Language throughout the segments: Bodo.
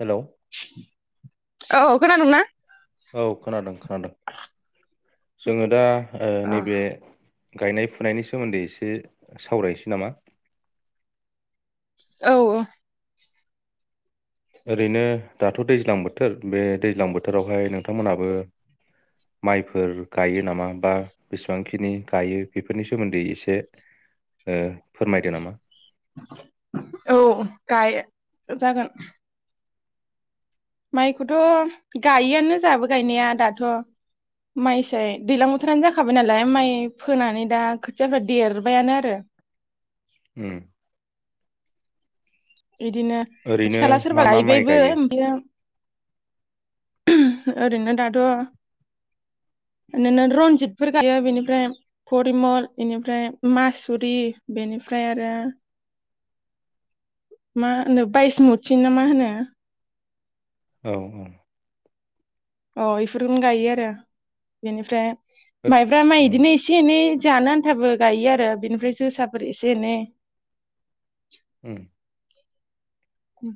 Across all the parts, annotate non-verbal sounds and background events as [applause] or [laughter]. हेलौ औ खोनादोंना औ खोनादों खोनादों जोङो दा ओ औ नैबे गायनाय फुनायनि सोमोन्दै एसे सावरायनोसै नामा औ औ ओरैनो दाथ दैज्लां बोथोर बे दैज्लां बोथोरावहाय नोंथांमोनहाबो माइफोर गायो नामा बा बेसेबांखिनि गायो बेफोरनि सोमोन्दै एसे ओ फोरमायदो नामा औ गाय जागोन माइखौथ गायोआनो जाहाबो गायनाया दाथ माइसाय दैज्लां बोथोरानो जाखाबाय नालाय माइ फोनानै दा खोथियाफ्रा देरबायानो आरो उम बिदिनो खाथि ओरैनो खाला मा सोरबा मा माइ गायबायबो गायो बि ओम ओरैनो दाथ ओरैनो रनजितफोर गायो बेनिफ्राय परिमल बेनिफ्राय मासुरि बेनिफ्राय आरो मा होनो बायस मति ना मा होनो औ औ अ इफोरखौनो गायो आरो बेनिफ्राय ओ माइब्रा माइ उम बिदिनो एसे एनै जानो आन्थाबो गायो आरो बिनिफ्राय जोसाफोर एसे-एनै उम उम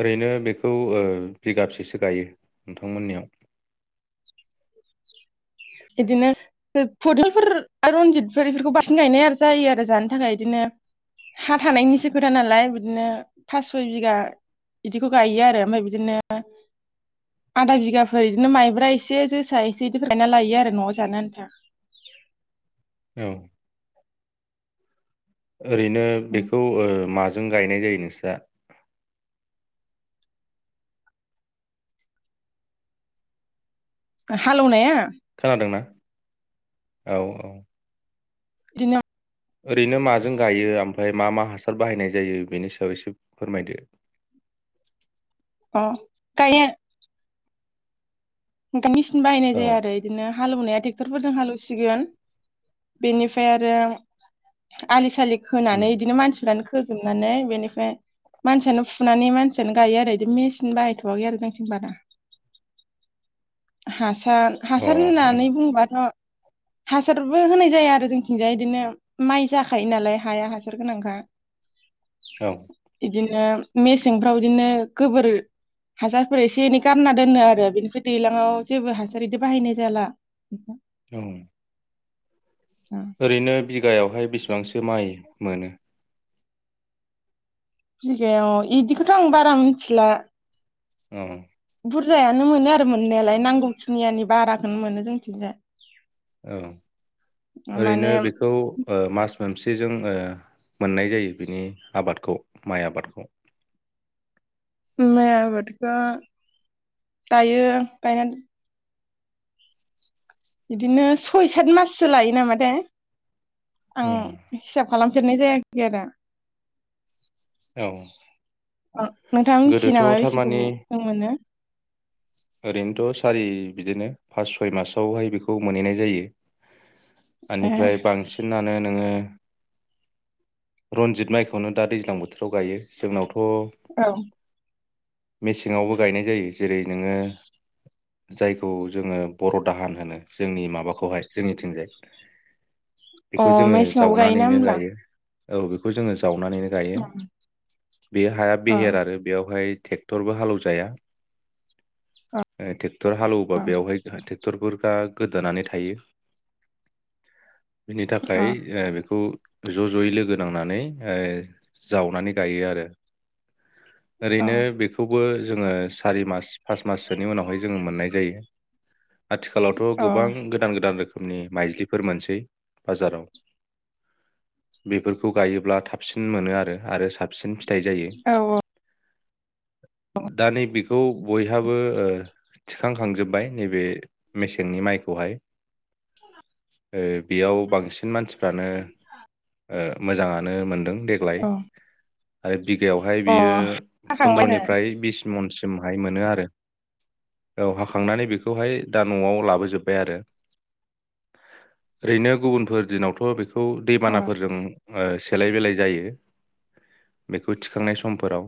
ओरैनो बेखौ ओ बिगासेसो गायो नोंथांमोननियाव बिदिनो फदलफोर आरो रनजितफोर बेफोरखौ बांसिन गायनाय जायो आरो जानो थाखाय बिदिनो हा थानायनिसो खोथा नालाय बिदिनो फास सय बिगा बिदिखौ गायो आरो ओमफ्राय बिदिनो आधा बिगाफोर बिदिनो माइब्रा एसे जोसा एसे बिदिफोर गायना लायो आरो नआव जानो आन्था औ ओरैनो बेखौ ओ मा जों गायनाय जायो नोंस्रा हालेवनाया औ-औ बिदिनो ओरैनो मा जों गायो ओमफ्राय मा-मा हा हासार बाहायनाय जायो बेनि सायाव एसे फोरमायदो अ गायनो [unintelligible] बाहायनाय औ जाया आरो बिदिनो हालौवनाया टे क्टरफोरजों हालौवसिगोन बेनिफ्राय आरो आलि सालि उम होनानै बिदिनो मानसिफ्रानो खोजोबनानै बेनिफ्राय मानसियानो फुनानै मानसियानो गायो आरो बिदि मेसिन बाहायथवाखै आरो जोंथिं बारा हा सार अ हासार उम होननानै बुङोबाथ हासारबो होनाय जाया आरो जोंथिंजाय बिदिनो माइ जाखायो नालाय हाया हासार गोनांखा औ बिदिनो मेसेंफ्राव बिदिनो गोबोर हासारफोर एसे एनै गारना दोनो आरो बेनिफ्राय दैज्लां आव जेबो हासार बिदि बाहायनाय जाला उम ओरैनो बि बिघागावहाय बेसेबांसो माइ मोनो बिगायाव बिदिखौथ आं बारा मिथिला औ बुरजायानो मोनो आरो मोननायालाय नांगौखिनियानि बाराखौनो मोनो जोंनिथिंजाय औ ओरैनो माने बेखौ ओ मास मोनफेजों मोननाय जायो बिनि आबादखौ माइ आबादखौ माइ आबादखौ दायो गायनानै बिदिनो सय सात माससो लायो नामा थाय आं औ हिसाब खालामफेरनाय जायाखै आरो औ अ नोंथाङा मिथियो गोदोथ' नामा बेसे थारमानि गोबाव जों मोनो ओरैनोथ सारि बिदिनो फास सय मासावहाय बेखौ मोनहैनाय जायो। ए ओनिफ्राय नोङो रनजित माइखौनो दा दैज्लां बोथोराव गायो जोंनावथ अ औ मेसेङावबो गायनाय जायो जेरै नोङो जायखौ जोङो बर दाहान होनो जोंनि माबाखौहाय जोंनिथिंजाय अ बेखौ जोङो मेसेङावबो गायोना जावनानैनो होमब्ला गायो। औ बेखौ जोङो जावनानैनो गायो अ बे हाया बेहेर अ आरो बेयावहाय टरबो हालेवजाया ओ टेक टर हालवोबा बेयावहाय टेक्टरफोर ओ गोदोनै थायो बिनि थाखाय अ ओ बेखौ ज-जयै लोगो नांनानै ओय जावनानै गायो आरो ओरैनो बेख बो जोङो सारि मास फास माससोनि उनावहाय जोङो मोननाय जायो आथिखालावथ अ औ गोबां गोदान गोदान रोखोम नि माइलिफोर मोनसै बाजाराव बेफोरखौ गायोब्ला थाबसिन मोनो आरो आरो साबसिन फि - थाइ जायो। औ दा नैबेखौ बयहाबो ओ थिखांखांजोब्बाय नैबे मेसेंनि माइखौहाय ओ बेयाव बांसिन मानसि फ्रानो ओ मोजाङानो मोनदों देग्लाय औ आयब बिगायावहाय अ बियो हाखांबाय आरो फन्द्रनिफ्राय बिस सिमनसिमहाय मोनो आरो औ हाखांनानै बेखौहाय दा नआव लाबोजोबबाय आरो ओरैनो गुबुनफोर दिनावथ बे - खौ अ दैबानाफोरजों ओ सेलाय बेलाय जायो बेखौ थिखांनाय समफोराव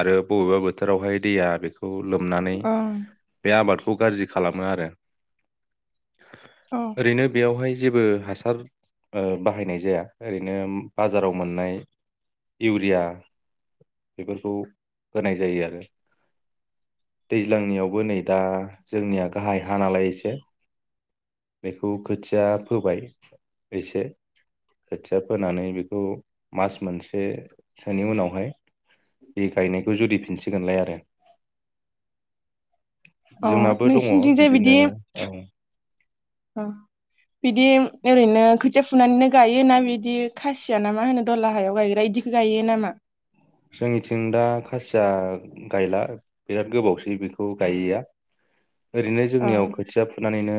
आरो बबेबा बोथोरावहाय दैया बेख खौ लोमनानै अ बे आबाद खौ गाज्रि खालामो आरो अ ओरैनो बेयावहाय जेबो हासार ओ बाहायनाय जाया ओरैनो बाजाराव मोननाय इउरिया बेफोरखौ होनाय जायो आरो दैज्लांनियावबो नै दा जोंनिया गाहाय हा नालाय एसे बेखौ खोथिया फोबाय एसे खोथिया फोनानै बेखौ मास मोनसेसोनि उनावहाय बे गायनायखौ जुरिफिनसिगोनलाय आरो अ जोंनाबो दङ नोंसिनिथिंजाय बिदिनो औ अ बिदि ओरैनो खोथिया फुनानैनो गायोना बिदि खासिया ना मा होनो दला हायाव गायग्रा बिदिखौ गायो नामा? जोंनिथिं दा खासिया गायला बिराद गोबावसै बेखौ गायैया। ओरैनो जोंनियाव अ खोथिया फुनानैनो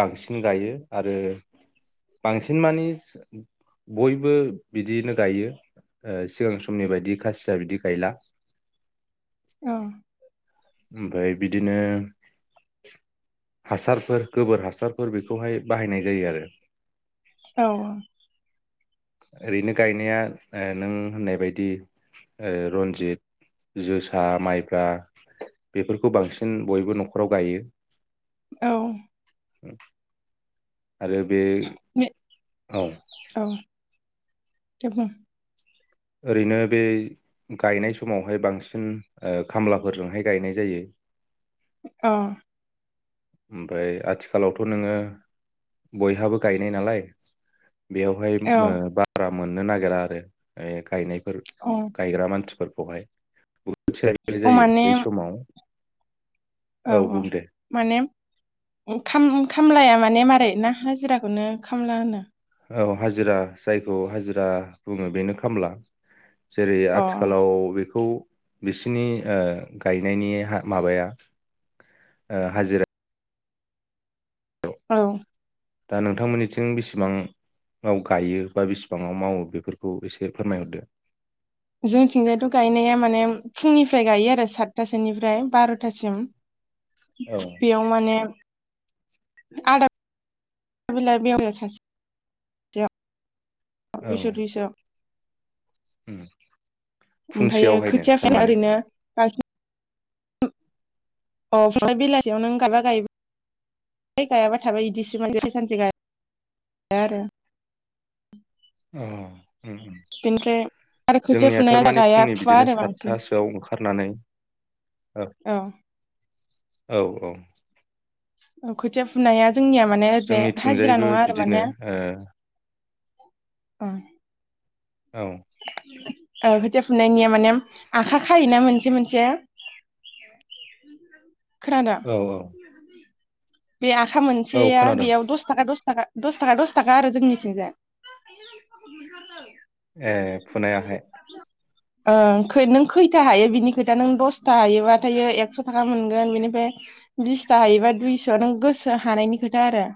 बांसिन गायो आरो बांसिन मानि बयबो बिदियैनो गायो ओ सिगां समनि बायदि खासिया बिदि गायला। औ ओमफ्राय बिदिनो हासारफोर गोबोर हासारफोर बेखौहाय बाहायनाय जायो आरो औ-औ ओरैनो गायनाया नों होननाय ओ बायदि रन्जित जोसा माइब्रा बेफोरखौ बांसिन बयबो नखराव गायो। औ [unintelligible] आरो बे ने- औ औ दे बुं ओरैनो बे गायनाय समावहाय बांसिन ओ खामलाफोरजोंहाय गायनाय जायो। अ ओमफ्राय आथिखालावथ नोङो बयहाबो गायनाय नालाय बेयावहाय औ ओम ओ बारा मोननो नागिरा आरो ओइ गायनाय। फोर औ गायग्रा मानसिफोर खौहाय सेयलाय बेलाय जायो माने बै समाव औ औ बुं दे माने ओंखाम ओंखाम खामलाया माने मारै ना हाजिराखौनो खामला होनो? औ हाजिरा जायखौ हाजिरा बुङो बेनो खामला। जेरै अ आथिखालाव बेखौ बिसनि ओ गायनायनि हा माबाया ओ हाजिरा। औ दा नोंथांमोननिथिं बिसिबांवाव गायो बा बेसेबाङाव मावो बेफोरखौ एसे फोरमायहरदो। जोंथिंजायथ गायनाया माने फुंनिफ्राय गायो आरो सातथासोनिफ्राय बारथासिम। औ बेयाव माने [unintelligible] दुइस' दुइस' उम्म ओमफाययो खोथिया खानाया ओरैनो [unintelligible] [unintelligible] ओमफ्राय बेलासियाव नों गायबा गाय बाय गायाबा थाबाय इदिसो माथो सानसे-सानसे गाया आरो अ बिनिफ्राय आरो खोथिया फुनाया थारमाने गाया फुंनि फुवा बिदिनो आरो बांसिन सातथासोआव ओंखारनानै औ। औ-औ अ खोथिया फुनाया जोंनिया माने ओरैजाय हाजिरा जोंनिथिंजायबो नङा आरो बिदिनो माने ओ औ औ ओ खोथिया फुनायनिया माने आखा खायोना मोनसे मोनसे। [unintelligible] औ-औ बे आखा मोनसेया बेयाव दस थाखा दस थागा दस थागा दस थाखा आरो जोंनिथिंजाय [unintelligible] ए फुनायाहाय। ओं खै नों खैथा हायो बिनि खोथा नों दसता हायोबाथायायो एकस‌' थाखा मोनगोन बिनिफ्राय बिसथा हायोबा दुइस' नों गोसो हानायनि खोथा आरो।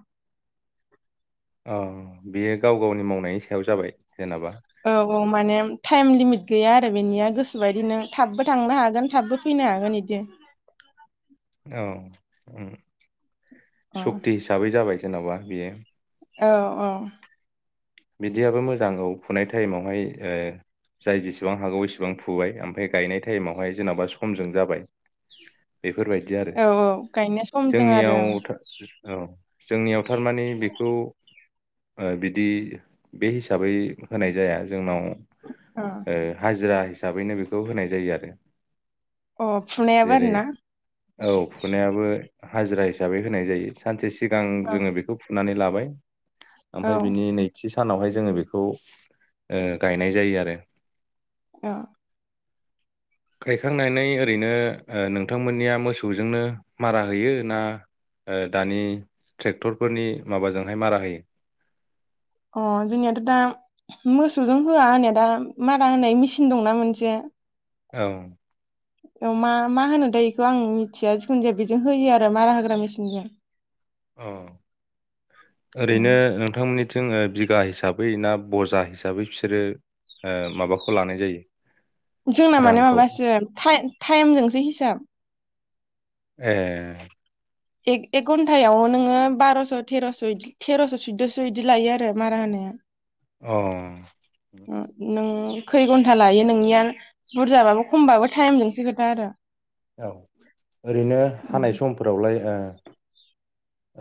अ बेयो गाव गावनि मावनायनि सायाव जाबाय जेनेबा। औ औ माने थाइम लिमिट गैया आरो बेनिया गोसोबायदि नों थाबबो थांनो हागोन थाबबो फैनो हागोन बिदि। औ उम्म अ सक्ति हिसाबै जाबाय। जेनबा बेयो अ-अ बिदियाबो मोजां औ फुनाय थाइमावहाय ओ जाय जेसेबां हागौ एसेबां फुबाय ओमफाय गायनाय टाइमावहाय जेनबा समजों जाबाय। बेफोरबायदि आरो औ औ गायनो समजों आरो जोंनियाव था ओ औ जोंनियाव थारमाने बेखौ ओ बिदि बे हिसाबै होनाय जाया जोंनाव। ओं ए हाजिरा हिसाबैनो बेखौ होनाय जायो आरो। अ अ फुनायाबो जेरै आरोना औ फुनायाबो हाजिरा हिसाबै होनाय जायो। सानसे सिगां औ जोङो बेखौ नानै लाबाय। औ ओमफाय बिनि नै थि सानावहाय जोङो बेखौ ओ गायनाय जायो आरो। अ गायखांनानै ओरैनो ओ नोंथांमोननिया मोसौजोंनो मारा होयो ना ओ दानि ट्रेक्टरफोरनि माबाजोंहाय मारा होयो? अ जोंनियाथ‌' दा मोसौजों होआ होनाय दा मारा होनाय मेसिन दंना मोनसे औ औ मा मा होनो दाय इखौ आं मिथिया जिखुनु जाया बेजों होयो आरो मारा होग्रा मेसिनजों औ ओरैनो उम नोंथांमोननि थिं जोङो बिगा हिसाबै ना बजा हिसाबै बिसोरो ओ माबाखौ लानाय जायो? जोंना माने रांखौ माबासो थाइ-थाइमजोंसो हिसाब ए एक-एक घन्टायाव नोङो बारस' थेरस'- थेरस‌' सुदस' इदि लायो आरो मारा होनाया। अ उम नों खै घन्था लायो नोंनिया बुरजाबाबो खमबाबो थाइमजोंसो खोथा आरो औ ओरैनो हानाय उम, समफोरावलाय ओ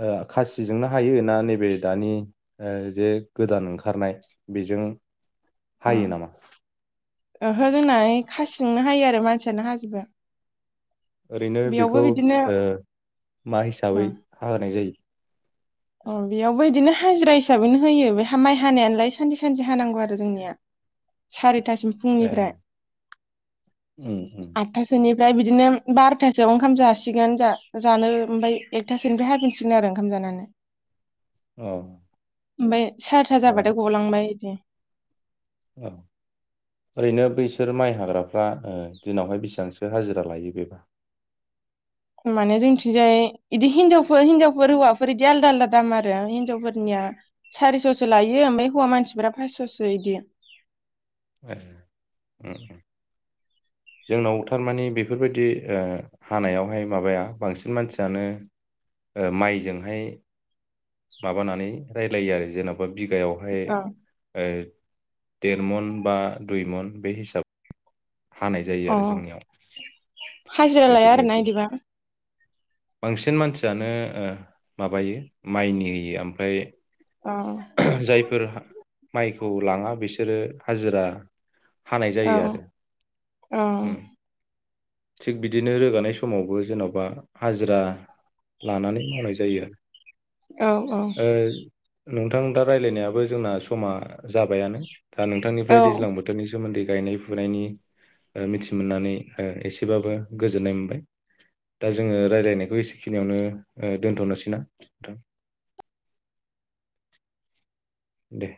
ओ खासिजोंनो हायो ना नैबे दानि ओ जे गोदान ओंखारनाय बेजों अ हायो नामा? ओहो जोंना खासिंनो हायो आरो मानसियानो हाजोबो। ओरैनो बेयावबो बेखौ बिदिनो ओ मा अ हिसाबै हा होनाय जायो? अ बेयावबो इदिनो हाजिरा हिसाबैनो होयो बे माइ हानायालाय सानसे सानसे हानांगौ आरो जोंनिया सारि थासिम ए फुंनिफ्राय। उम उम न। ओमफ्राय बिदिनो बार'थासोआव ओंखाम जासिगोन जानो ओमफ्राय एकथासोनिफ्राय हाफिनसिगोन आरो ओंखाम जानानै। औ ओमफ्राय सारिथा ओ जाबाथाय गलांबाय इदि। औ ओरैनो बैसोर माइ हाग्राफ्रा ओ दिनावहाय बेसेबांसो हाजिरा लायो बेबा? माने जोंथिंजाय इदि हिनजावफोर-हिनजावफोर हौवाफोर इदि आलदा-आलदा दाम आरो हिनजावफोरनिया सारिस'सो लायो ओमफ्राय हौवा मानसिफोरा पास'सो इदि। ए उम उम जोंनाव थारमाने बेफोरबायदि हानायावहाय माबाया बांसिन मानसियानो माइजोंहाय माबानानै रायलायो आरो जेनबा बिगायावहाय अ ओ देर मन बा दुइ मन बे हिसाबै। हानाय जायो आरो अ जोंनियाव हाजिरा लाया आरोना बेफोरबायदि। इदिबा बांसिन मानसियानो ओ माबायो माइनि ओमफ्राय औ जायफोर माइखौ लाङा बिसोरो हाजिरा हानाय औ जायो आरो। औ उम थिग बिदिनो रोगानाय समावबो जेनबा हाजिरा लानानै मावनाय जायो आरो। औ-औ। ओ नोंथां दा रायज्लायनायाबो जोंना समा जाबायानो। दा नोंथांनिफ्राय औ दैज्लां बोथोरनि सोमोन्दै गायनाय फुनायनि मिथि मोननानै ओ एसे एसेबाबो गोजोन्नाय मोनबाय दा जोङो रायज्लायनायखौ एसेखिनियावनो दोन्थनोसै ना नोंथां? दे।